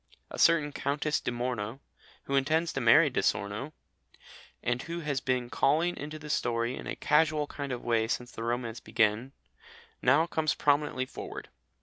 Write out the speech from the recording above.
A certain Countess di Morno, who intends to marry Di Sorno, and who has been calling into the story in a casual kind of way since the romance began, now comes prominently forward.